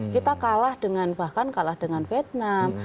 kita kalah dengan bahkan kalah dengan vietnam